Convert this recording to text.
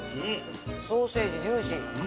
ソーセージジューシー。